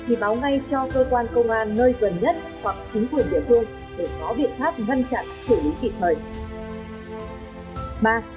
thì báo ngay cho cơ quan công an nơi gần nhất hoặc chính quyền địa pháp